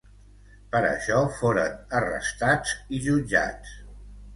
Per això, foren arrestats i jutjats.